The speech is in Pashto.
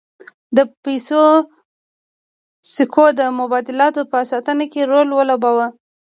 د پیسو سکو د مبادلاتو په اسانتیا کې رول ولوباوه